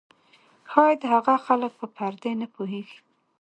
ښايي هغه خلک به پر دې نه پوهېږي.